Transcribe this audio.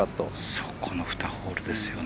そこの２ホールですよね。